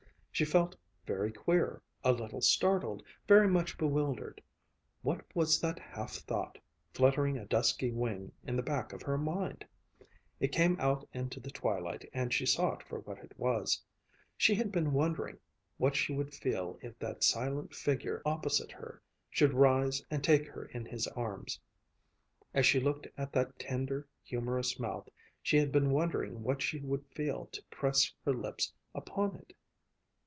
She felt very queer, a little startled, very much bewildered. What was that half thought fluttering a dusky wing in the back of her mind? It came out into the twilight and she saw it for what it was. She had been wondering what she would feel if that silent figure opposite her should rise and take her in his arms. As she looked at that tender, humorous mouth, she had been wondering what she would feel to press her lips upon it?